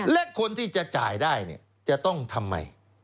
และคนที่จะจ่ายได้เนี่ยจะต้องทำไม